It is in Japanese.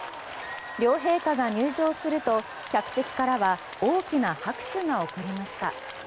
両陛下が入場すると客席からは大きな拍手が起こりました。